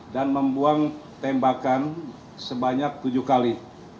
dan membuang tembakan sebanyak tujuh kali